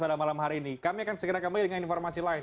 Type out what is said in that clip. pada malam hari ini kami akan segera kembali dengan informasi lain